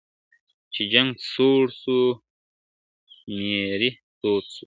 چي جنګ سوړ سو میری تود سو `